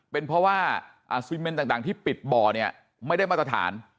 เป็นเพราะว่าซีเมนต่างที่ปิดบ่อเนี่ยไม่ได้มาตรฐาน